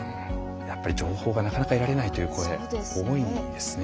やっぱり情報がなかなか得られないという声多いんですね。